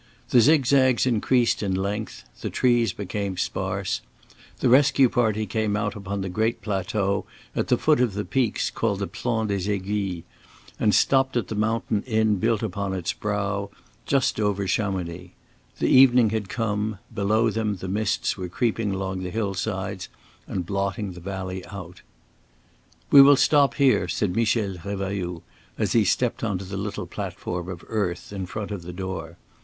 The zigzags increased in length, the trees became sparse; the rescue party came out upon the great plateau at the foot of the peaks called the Plan des Aiguilles, and stopped at the mountain inn built upon its brow, just over Chamonix. The evening had come, below them the mists were creeping along the hillsides and blotting the valley out. "We will stop here," said Michel Revailloud, as he stepped on to the little platform of earth in front of the door.